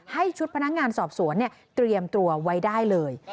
ให้ชุดพนักงานสอบสวนเตรียมตัวไว้ได้เลย